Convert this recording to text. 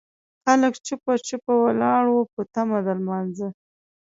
خلک جوپه جوپه ولاړ وو په تمه د لمانځه.